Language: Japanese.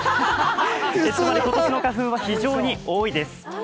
つまり、今年の花粉は非常に多いです。